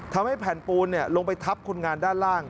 ทำให้แผ่นปูนลงไปทับคนงานด้านล่าง